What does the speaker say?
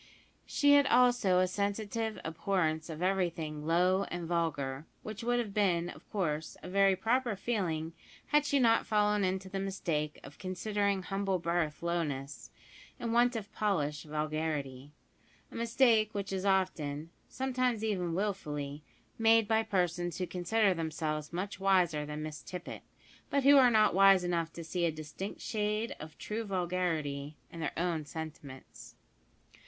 She had also a sensitive abhorrence of everything "low and vulgar," which would have been, of course, a very proper feeling had she not fallen into the mistake of considering humble birth lowness, and want of polish vulgarity a mistake which is often (sometimes even wilfully) made by persons who consider themselves much wiser than Miss Tippet, but who are not wise enough to see a distinct shade of true vulgarity in their own sentiments.